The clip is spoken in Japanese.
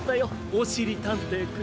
おしりたんていくん。